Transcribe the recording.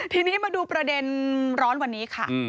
ทีนี้มาดูประเด็นร้อนวันนี้ค่ะ